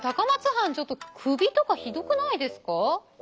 藩ちょっとクビとかひどくないですか。